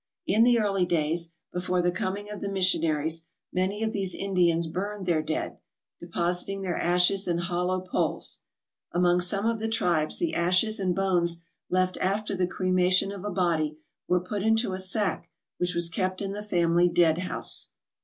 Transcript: In the early days, before the coming of the missionaries, many of these Indians burned their dead, depositing their ashes in hollow poles. Among some of the tribes the ashes and bones left after the cremation of a body were put into a sack which was kept in the family dead house.